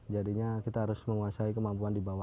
jadinya kita harus menguasai kemampuan di bawah